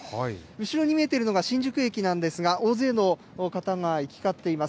後ろに見えているのが新宿駅なんですが、大勢の方が行き交っています。